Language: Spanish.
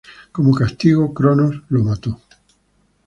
Como castigo, Cronos lo mató.